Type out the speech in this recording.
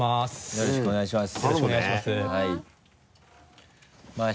よろしくお願いします。